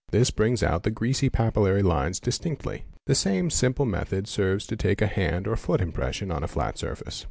This brings out the greasy papillary lines distinctly. The same simple method | serves to take a hand or a foot impression on a flat surface.